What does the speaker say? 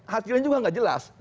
hasilnya juga gak jelas